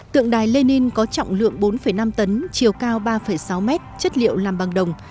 tượng đài lenin có trọng lượng bốn năm tấn chiều cao ba sáu mét chất liệu làm bằng đồng